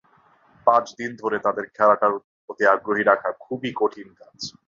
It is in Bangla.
পাঁচ দিন ধরে তাদের খেলাটার প্রতি আগ্রহী রাখা খুবই কঠিন কাজ।